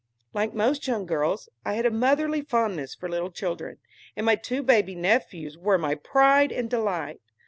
Like most young girls, I had a motherly fondness for little children, and my two baby nephews were my pride and delight.